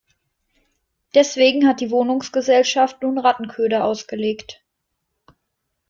Deswegen hat die Wohnungsgesellschaft nun Rattenköder ausgelegt.